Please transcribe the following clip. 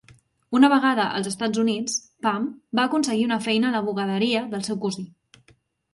Una vegada als Estats Units, Pham va aconseguir una feina a la bugaderia del seu cosí.